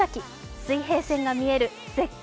水平線が見える絶景